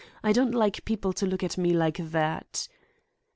I don't like people to look at me like that!"